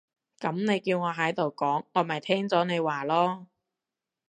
噉你叫我喺度講，我咪聽咗你話囉